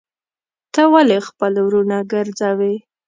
ته ولي خپل وروڼه ګرځوې.